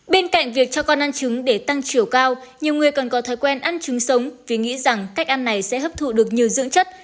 bên cạnh việc cho con ăn trứng để tăng chiều cao nhiều người còn có thói quen ăn trứng sống vì nghĩ rằng cách ăn này sẽ hấp thụ được nhiều dưỡng chất